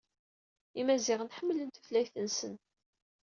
Imaziɣen ḥemmlen tutlayt-nsen.